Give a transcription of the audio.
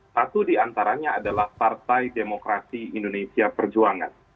satu diantaranya adalah partai demokrasi indonesia perjuangan